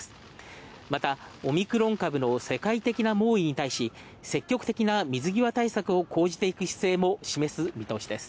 またオミクロン株の世界的な猛威に対し、水際対策を講じていく姿勢も示す見通しです。